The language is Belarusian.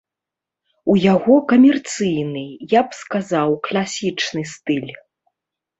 У яго камерцыйны, я б сказаў, класічны стыль.